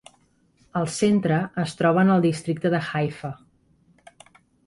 El centre es troba en el Districte de Haifa.